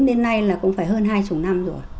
đến nay là cũng phải hơn hai chục năm rồi